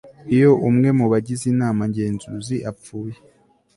iyo umwe mu bagize inama ngenzuzi apfuye